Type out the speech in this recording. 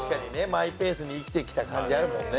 マイペースに生きてきた感じあるもんね。